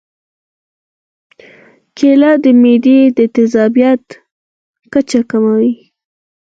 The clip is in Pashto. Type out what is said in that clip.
کېله د معدې د تیزابیت کچه کموي.